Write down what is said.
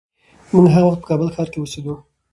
موږ هغه وخت په کابل ښار کې اوسېدو.